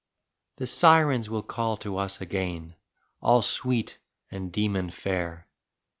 The sirens will call to us again, all sweet and demon fair.